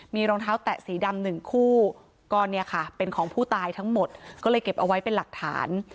มีรองเท้าแตะสีดำหนึ่งคู่ก็เนี่ยค่ะเป็นของผู้ตายทั้งหมดก็เลยเก็บเอาไว้เป็นหลักฐาน